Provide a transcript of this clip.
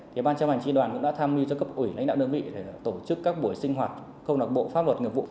thế ban chăm hành tri đoàn cũng đã tham mưu cho cấp ủy lãnh đạo đơn vị để tổ chức các buổi sinh hoạt không đặc bộ pháp luật nghiệp vụ